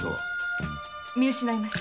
見失いました。